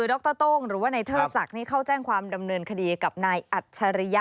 ดรโต้งหรือว่านายเทิดศักดิ์นี่เข้าแจ้งความดำเนินคดีกับนายอัจฉริยะ